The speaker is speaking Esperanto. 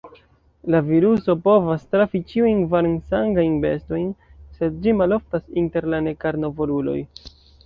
La viruso povas trafi ĉiujn varm-sangajn bestojn, sed ĝi maloftas inter la ne-karnovoruloj.